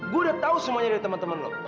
gua udah tahu semuanya dari temen temen lo